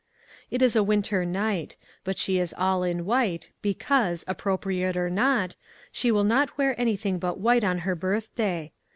It is a winter night, but she is all in white, because, appropriate or not, she will not wear anything but white on her birth day.